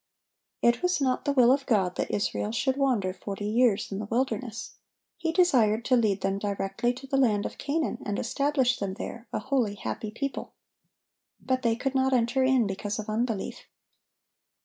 It was not the will of God that Israel should wander forty years in the wilderness; He desired to lead them directly to the land of Canaan, and establish them there, a holy, happy people. But "they could not enter in because of unbelief."